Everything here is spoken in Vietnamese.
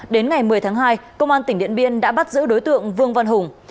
đến ngày một mươi tháng hai công an tỉnh điện biên đã bắt giữ đối tượng vương văn hùng